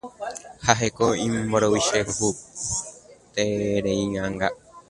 Ha jeko imboriahutereíanga